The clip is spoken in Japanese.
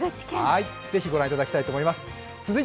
ぜひご覧いただきたいと思います。